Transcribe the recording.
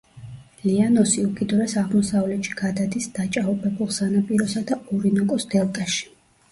ლიანოსი უკიდურეს აღმოსავლეთში გადადის დაჭაობებულ სანაპიროსა და ორინოკოს დელტაში.